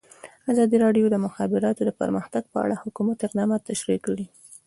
ازادي راډیو د د مخابراتو پرمختګ په اړه د حکومت اقدامات تشریح کړي.